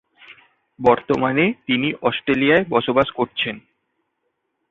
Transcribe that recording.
বর্তমানে তিনি অস্ট্রেলিয়ায় বসবাস করছেন।